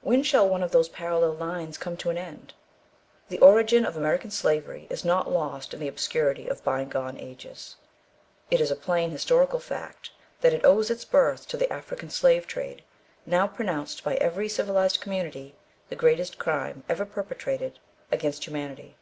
When shall one of those parallel lines come to an end? The origin of American slavery is not lost in the obscurity of by gone ages. It is a plain historical fact, that it owes its birth to the African slave trade, now pronounced by every civilised community the greatest crime ever perpetrated against humanity.